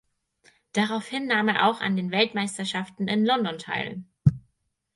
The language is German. Daraufhin nahm er auch an den Weltmeisterschaften in London teil.